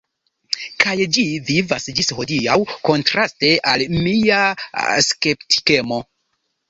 Kaj ĝi vivas ĝis hodiaŭ, kontraste al mia skeptikemo.